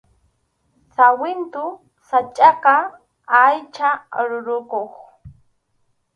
Sawintu sachʼaqa aycha ruruyuq